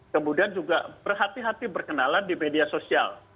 kemudian juga berhati hati berkenalan di media sosial